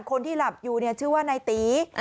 คนที่หลับอยู่ชื่อว่านายตี